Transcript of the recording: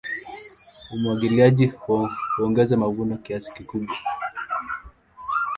Umwagiliaji huongeza mavuno kiasi kikubwa.